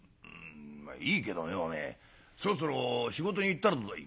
「まあいいけどよお前そろそろ仕事に行ったらどうだい」。